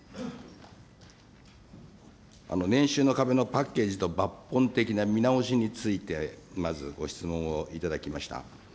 年収の壁のパッケージの抜本的な見直しについて、まずご質問をいただきました。